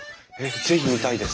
是非見たいです。